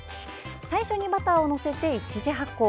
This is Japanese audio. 最初にバターを載せて１次発酵。